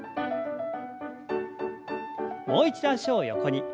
もう一度脚を横に。